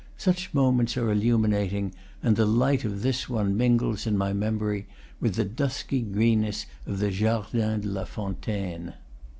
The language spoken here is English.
Such mo ments are illuminating, and the light of this one mingles, in my memory, with the dusky greenness of the Jardin de la Fontaine.